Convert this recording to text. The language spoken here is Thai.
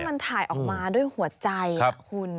เขาเรียกว่ามันถ่ายออกมาด้วยหัวใจอ่ะคุณ